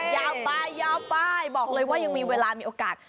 ยาวไปยาวไปบอกเลยว่ายังมีเวลามีโอกาส